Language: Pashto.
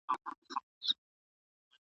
د دې لپاره چې موخه روښانه وي، لار به ورکه نه شي.